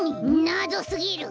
なぞすぎる。